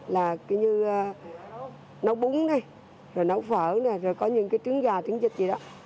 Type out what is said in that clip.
là kiểu như nấu bún rồi nấu phở rồi có những trứng gà trứng dịch gì đó